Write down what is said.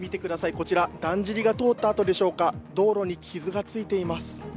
こちらだんじりが通った跡でしょうか、道路に傷がついています。